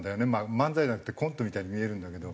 漫才じゃなくてコントみたいに見えるんだけど。